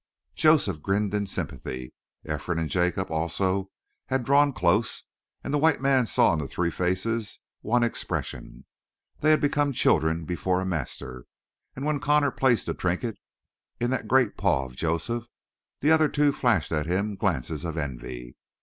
Joseph grinned in sympathy. Ephraim and Jacob also had drawn close, and the white man saw in the three faces one expression: they had become children before a master, and when Connor placed the trinket in the great paw of Joseph the other two flashed at him glances of envy.